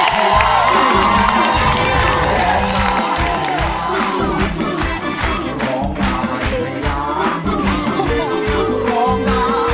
เฮ้ว่าไง